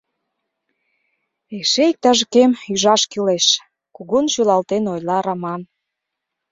— Эше иктаж-кӧм ӱжаш кӱлеш, — кугун шӱлалтен ойла Раман.